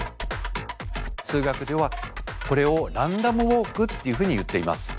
数学ではこれをランダムウォークっていうふうにいっています。